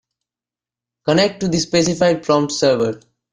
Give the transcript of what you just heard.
Connect to the specified prompt server.